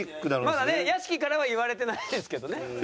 まだね屋敷からは言われてないですけどね。